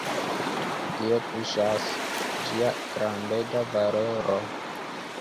Tie kuŝas ĝia grandega valoro.